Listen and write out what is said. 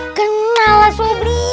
nggak kenal lah sobri